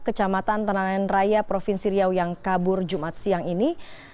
kecamatan tenanen raya provinsi riau yang kabur jumat siang ini